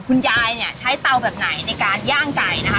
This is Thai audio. คุณยายเนี่ยใช้เตาแบบไหนในการย่างไก่นะคะ